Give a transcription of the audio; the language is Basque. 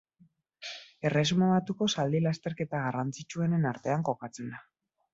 Erresuma Batuko zaldi lasterketa garrantzitsuenen artean kokatzen da.